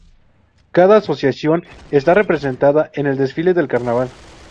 Cada asociación está representada en el desfile del carnaval.